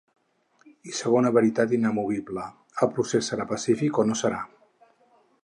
I segona veritat inamovible: el procés serà pacífic o no serà.